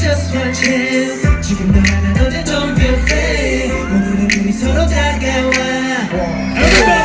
เยี่ยมมาก